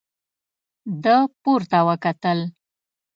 ده پورته وکتل.